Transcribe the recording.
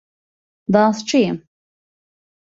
Dansçıyım.